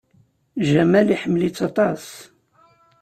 Jamal iḥemmel-itt aṭas.